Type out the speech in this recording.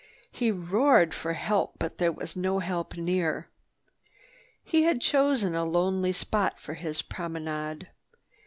He roared for help, but there was no help near. He had chosen a lonely spot for his promenade.